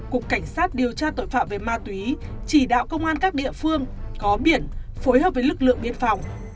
cục cảnh sát điều tra tội phạm về ma túy chỉ đạo công an các địa phương có biển phối hợp với lực lượng biên phòng